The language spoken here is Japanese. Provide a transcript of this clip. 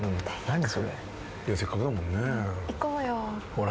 ほら。